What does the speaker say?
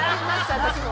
私も。